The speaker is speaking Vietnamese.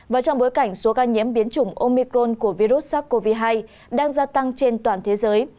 và trong bối cảnh số ca nhiễm biến chủng omicron của virus sars cov hai đang gia tăng trên toàn thế giới